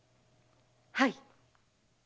はい。